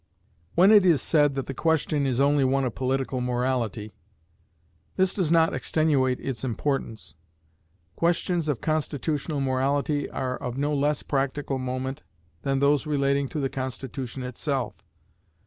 When it is said that the question is only one of political morality, this does not extenuate its importance. Questions of constitutional morality are of no less practical moment than those relating to the constitution itself.